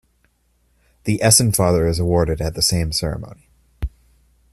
The Essen Feather is awarded at the same ceremony.